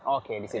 oke di situ ya